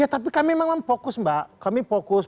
ya tapi kami memang fokus mbak kami fokus